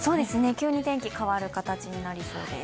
急に天気が変わる形になりそうです。